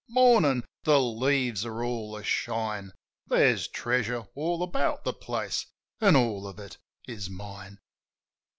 Mornin'! The leaves are all ashine: There's treasure all about the place; an' all of it is mine.